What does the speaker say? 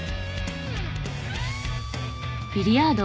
ビリヤード？